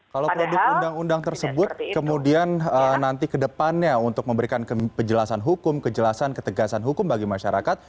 kalau produk undang undang tersebut kemudian nanti ke depannya untuk memberikan penjelasan hukum kejelasan ketegasan hukum bagi masyarakat